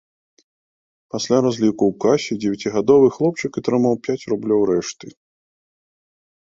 Пасля разліку ў касе дзевяцігадовы хлопчык атрымаў пяць рублёў рэшты.